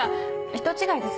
人違いです。